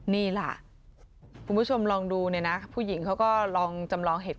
นี่ล่ะคุณผู้ชมลองดูเนี่ยนะผู้หญิงเขาก็ลองจำลองเห็น